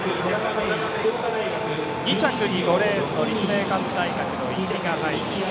２着に５レーンの立命館大学、壹岐あいこ。